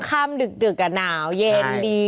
ค่ำดึกหนาวเย็นดี